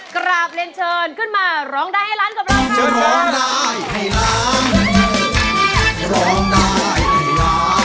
กลับเล่นเชิญขึ้นมาร้องได้ให้ล้าน